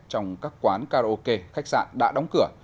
trong các quán karaoke khách sạn đã đóng cửa